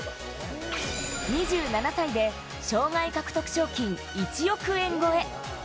２７歳で生涯獲得賞金１億円超え。